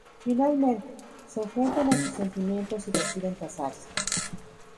Finalmente, se enfrentan a sus sentimientos y deciden casarse.